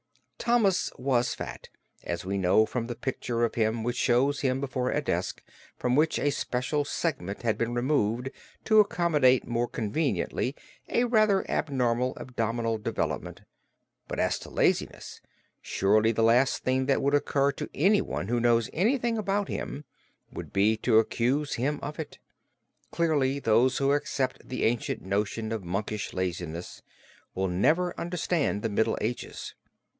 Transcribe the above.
Thomas was fat, as we know from the picture of him which shows him before a desk from which a special segment has been removed to accommodate more conveniently a rather abnormal abdominal development, but as to laziness, surely the last thing that would occur to anyone who knows anything about him, would be to accuse him of it. Clearly those who accept the ancient notion of monkish laziness will never understand the Middle Ages.